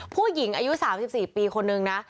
ผู้หญิงอายุ๓๔ปีคนนึงนะ